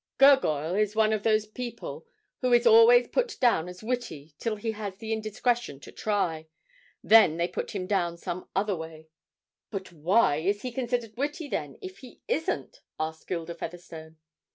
'Gurgoyle is one of those people who is always put down as witty till he has the indiscretion to try. Then they put him down some other way.' 'But why is he considered witty then, if he isn't?' asked Gilda Featherstone.